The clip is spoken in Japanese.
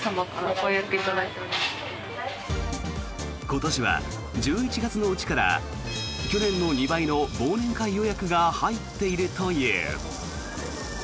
今年は１１月のうちから去年の２倍の忘年会予約が入っているという。